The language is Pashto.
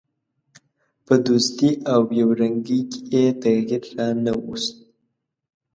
په دوستي او یو رنګي کې یې تغییر را نه ووست.